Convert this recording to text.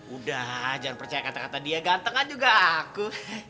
udah jangan percaya kata kata dia ganteng aja aku